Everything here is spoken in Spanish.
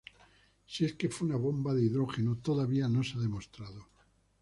Si es que fue una bomba de hidrógeno todavía no se ha demostrado.